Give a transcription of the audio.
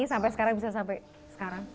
sampai sekarang bisa sampai sekarang